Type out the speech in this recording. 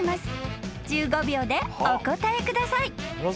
［１５秒でお答えください］